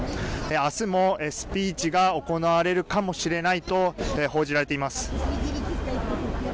明日もスピーチが行われるかもしれないと報じられています。